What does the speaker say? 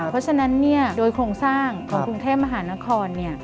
เพราะฉะนั้นโดยโครงสร้างของกรุงเทพมหานคร